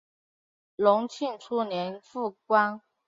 隆庆初年复官。